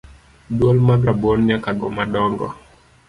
Duol mag rabuon nyakago madongo.